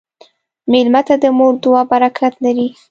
مېلمه ته د مور دعا برکت لري.